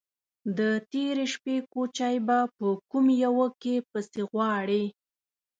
_د تېرې شپې کوچی به په کومه يوه کې پسې غواړې؟